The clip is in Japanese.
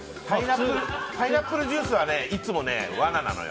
パイナップルジュースはいつも罠なのよ。